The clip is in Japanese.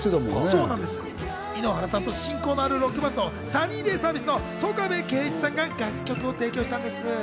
井ノ原さんと親交のあるロックバンド、サニーデイ・サービスの曽我部恵一さんが楽曲を提供したんです。